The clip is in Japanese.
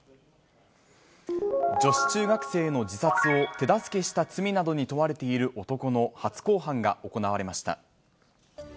女子中学生の自殺を手助けした罪などに問われている男の初公判が行われました。